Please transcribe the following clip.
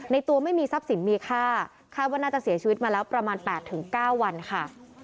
ตัวไม่มีทรัพย์สินมีค่าคาดว่าน่าจะเสียชีวิตมาแล้วประมาณ๘๙วันค่ะ